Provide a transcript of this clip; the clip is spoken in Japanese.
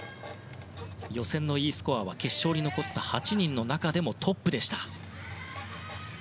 予選のＥスコアは決勝に残った８人の中でもトップでした。